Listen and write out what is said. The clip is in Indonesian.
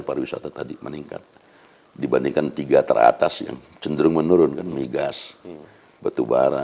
pariwisata tadi meningkat dibandingkan tiga teratas yang cenderung menurun kan migas batubara